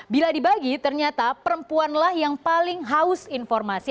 bila dibagi ternyata perempuanlah yang paling haus informasi